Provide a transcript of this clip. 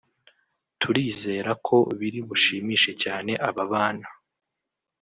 turizera ko biri bushimishe cyane aba bana